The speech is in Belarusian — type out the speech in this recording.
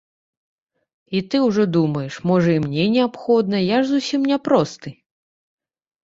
І ты ўжо думаеш, можа, і мне неабходна, я ж зусім няпросты?